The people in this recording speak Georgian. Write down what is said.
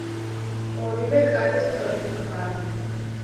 ორივე კარი სწორკუთხაა.